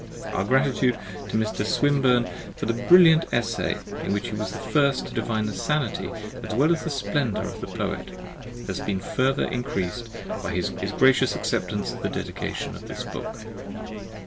Our gratitude to Mr. Swinburne for the brilliant essay in which he was the first to divine the sanity as well as the splendour of the poet, has been further increased by his gracious acceptance of the dedication of this book.